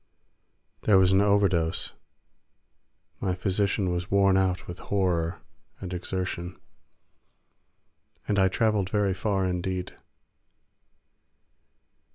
There was an overdose—my physician was worn out with horror and exertion—and I travelled very far indeed.